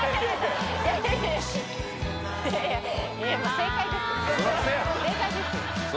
正解です。